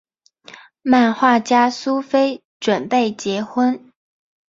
漫画家苏菲准备结婚。